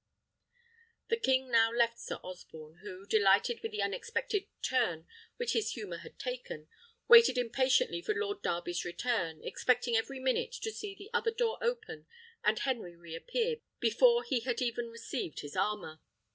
The king now left Sir Osborne, who, delighted with the unexpected turn which his humour had taken, waited impatiently for Lord Darby's return, expecting every minute to see the other door open and Henry re appear before he had even received his armour.